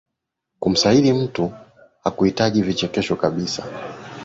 kumsaili mtu hakuhitaji vichekesho kabisa